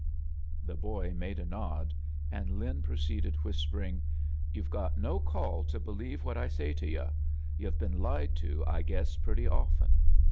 ■^''* The boy made a nod, and Lin proceeded, whisperingi "You've got no call to believe iwhat I say to yu' — yu've been lied to, I guess, pretty often.